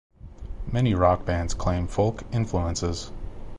Many rock bands claim folk influences.